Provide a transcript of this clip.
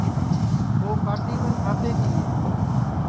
ٻو کاٹی کن کھاتے تیے